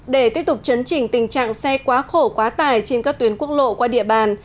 để tiếp tục chấn chỉnh tình trạng xe quá khổ quá tải trên các tuyến quốc lộ qua địa bàn